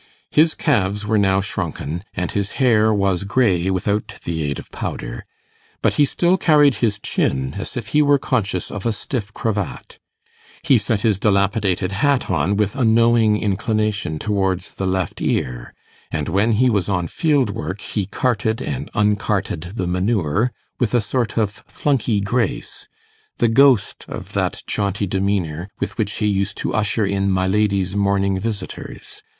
His calves were now shrunken, and his hair was grey without the aid of powder; but he still carried his chin as if he were conscious of a stiff cravat; he set his dilapidated hat on with a knowing inclination towards the left ear; and when he was on field work, he carted and uncarted the manure with a sort of flunkey grace, the ghost of that jaunty demeanour with which he used to usher in my lady's morning visitors.